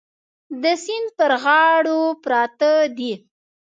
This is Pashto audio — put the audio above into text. د سیند پر غاړو پراته دي.